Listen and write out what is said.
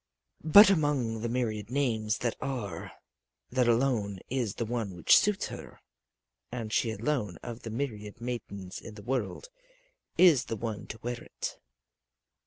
But among the myriad names that are, that alone is the one which suits her; and she alone of the myriad maidens in the world is the one to wear it.